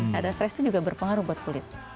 kada stres itu juga berpengaruh buat kulit